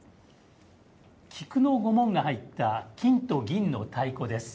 菊の御紋が入った金と銀の太鼓です。